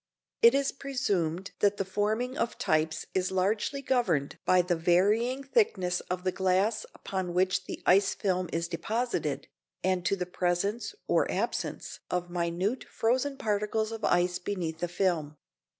It is presumed that the forming of types is largely governed by the varying thickness of the glass upon which the ice film is deposited, and to the presence or absence of minute frozen particles of ice beneath the film.